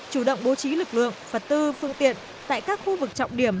chủ động bố trí lực lượng vật tư phương tiện tại các khu vực trọng điểm